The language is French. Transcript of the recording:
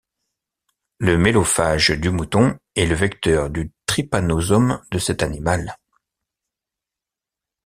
Le Mélophage du Mouton est le vecteur du trypanosome de cet animal.